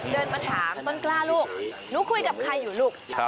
เดินมาถามต้นกล้าลูกหนูคุยกับใครอยู่ลูก